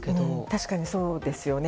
確かにそうですよね。